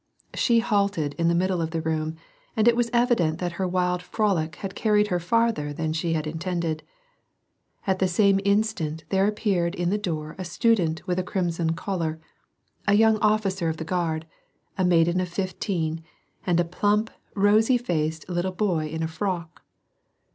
She halted in the middle of the room, and it was evident that her wild frolic had carried her farther than she had intended. At the same instant there appeared in the door a student with a crimson collar, a young officer of the Guard, a maiden of fifteen, and a plump, rosy faced little boy in a frock.